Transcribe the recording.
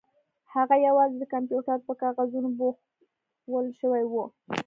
هغه یوازې د کمپیوټر په کاغذونو پوښل شوې وه